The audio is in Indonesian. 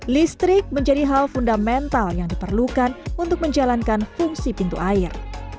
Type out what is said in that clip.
listrik menjadi hal fundamental yang diperlukan untuk menjalankan fungsi pintu air